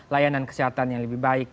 layanan kesehatan yang lebih baik